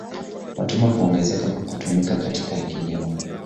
Watumwa kuongezeka kutumika katika kilimo